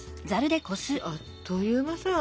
あっという間さ！